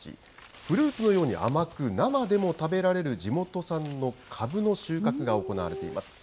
フルーツのように甘く、生でも食べられる地元産のかぶの収穫が行われています。